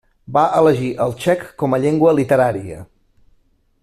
Va elegir el txec com a llengua literària.